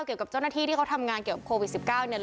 เกี่ยวกับเจ้าหน้าที่ที่เขาทำงานเกี่ยวกับโควิด๑๙เนี่ย